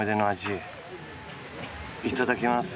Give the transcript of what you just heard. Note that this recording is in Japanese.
いただきます。